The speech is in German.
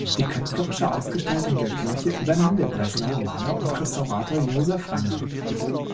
Die künstlerische Ausgestaltung der Kirche übernahm der Breslauer Maler und Restaurator Joseph Langer.